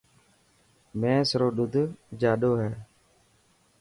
مينس رو ڏوڌ جاڏو هي .